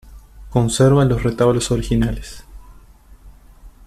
Conserva los retablos originales.